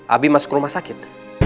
abi masuk rumah sakit